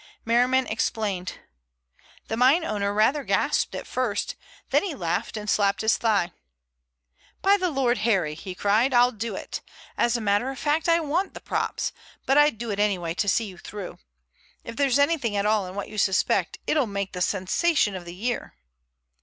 Merriman explained. The mineowner rather gasped at first, then he laughed and slapped his thigh. "By the Lord Harry!" he cried, "I'll do it! As a matter of fact I want the props, but I'd do it anyway to see you through. If there's anything at all in what you suspect it'll make the sensation of the year."